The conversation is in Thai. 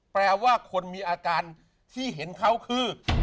แปลว่าคนมีอาการที่เห็นเขาคือ